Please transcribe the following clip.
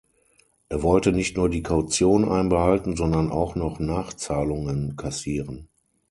Er wollte nicht nur die Kaution einbehalten, sondern auch noch Nachzahlungen kassieren.